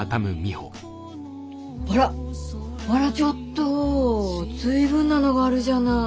あらあらちょっと随分なのがあるじゃない。